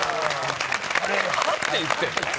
あれ歯って言ってんの？